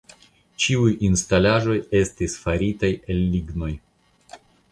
Ĉiuj instalaĵoj estis faritaj el lignoj.